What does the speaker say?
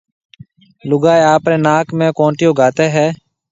لوگائيَ آپريَ ناڪ ۾ ڪونٽيو گھاتيَ ھيََََ